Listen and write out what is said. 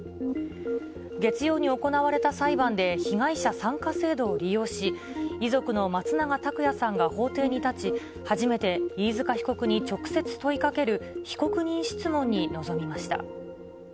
月曜に行われた裁判で被害者参加制度を利用し、遺族の松永拓也さんが法廷に立ち、初めて飯塚被告に直接問いかける、被告人質問に臨みました。